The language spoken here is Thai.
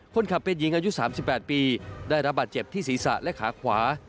คนขับเป็นหญิงอายุ๓๘ปีได้รับบาดเจ็บที่ศีรษะและขาขวา